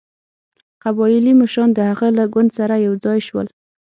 قبایلي مشران د هغه له ګوند سره یو ځای شول.